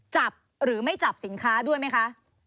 จับหรือไม่จับสินค้าด้วยไหมคะ